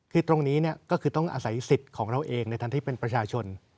คือตรงนี้ก็คือต้องอาศัยสิทธิ์ของเราเองในทางที่เป็นประชาชน